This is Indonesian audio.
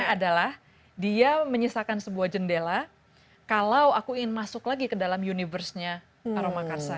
adalah dia menyisakan sebuah jendela kalau aku ingin masuk lagi ke dalam universe nya aroma karsa